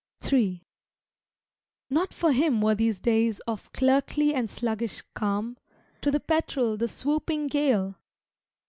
III Not for him were these days Of clerkly and sluggish calm To the petrel the swooping gale!